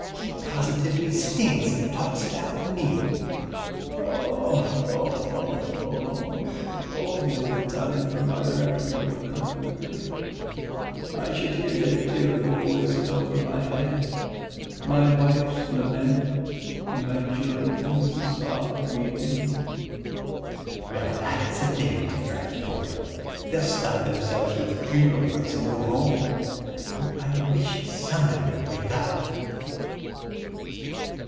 He positively stinks and talks about me." "Oh ho ho ho! If only the time for my requiem would come quickly: I should hear their tearful voices over my head, my wife's lament and my children's soft weeping!..." "Well, that's a thing to fret for! They'll stuff themselves with funeral rice and go home.... Oh, I wish somebody would wake up!"